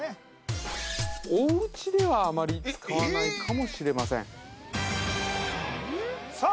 おうちではあまり使わないかもしれませんさあ